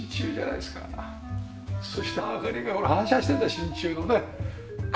そして明かりがほら反射してんだ真鍮のね傘に。